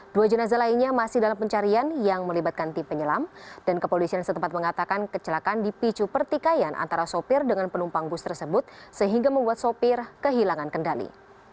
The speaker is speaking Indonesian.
dua jenazah lainnya masih dalam pencarian yang melibatkan tim penyelam dan kepolisian setempat mengatakan kecelakaan dipicu pertikaian antara sopir dengan penumpang bus tersebut sehingga membuat sopir kehilangan kendali